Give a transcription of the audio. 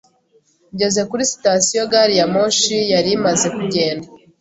Ngeze kuri sitasiyo, gari ya moshi yari imaze kugenda.